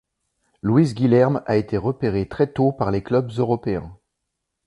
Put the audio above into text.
Luís Guilherme a été repéré très tôt par les clubs européens.